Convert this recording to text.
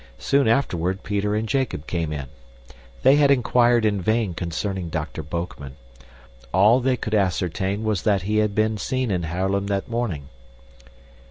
Soon afterward Peter and Jacob came in. They had inquired in vain concerning Dr. Boekman. All they could ascertain was that he had been seen in Haarlem that morning.